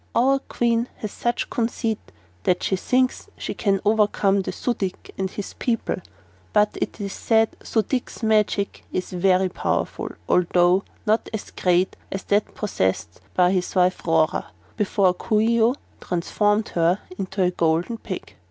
Our Queen has such conceit that she thinks she can overcome the Su dic and his people, but it is said Su dic's magic is very powerful, although not as great as that possessed by his wife Rora, before Coo ee oh transformed her into a Golden Pig."